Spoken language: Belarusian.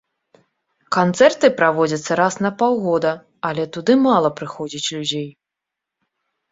Канцэрты праводзяцца раз на паўгода, але туды мала прыходзіць людзей.